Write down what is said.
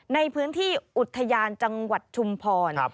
ในพื้นที่อุทยานจังหวัดชุมพร